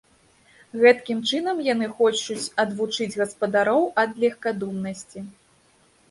Гэткім чынам яны хочуць адвучыць гаспадароў ад легкадумнасці.